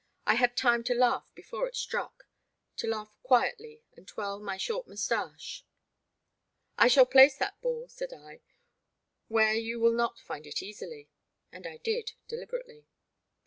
I had time to laugh before it struck, — to laugh quietly and twirl my short mustache. I shall place that ball," said I, where you will not find it easily "; and I did, deliberately.